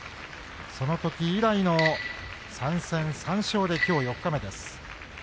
そのとき以来の３戦３勝できょう四日目です。